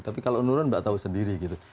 tapi kalau menurun mbak tahu sendiri gitu